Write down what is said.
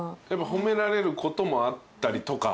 褒められることもあったりとか。